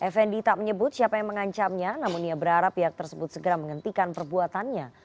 fnd tak menyebut siapa yang mengancamnya namun ia berharap pihak tersebut segera menghentikan perbuatannya